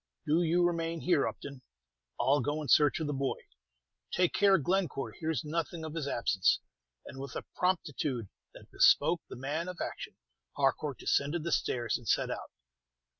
"Do you remain here, Upton. I'll go in search of the boy. Take care Glencore hears nothing of his absence." And with a promptitude that bespoke the man of action, Harcourt descended the stairs and set out.